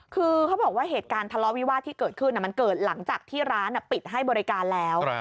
คือเขาบอกว่าเหตุการณ์ทะเลาะวิวาสที่เกิดขึ้นมันเกิดหลังจากที่ร้านปิดให้บริการแล้ว